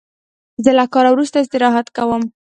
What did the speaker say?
زه له کاره وروسته استراحت کوم.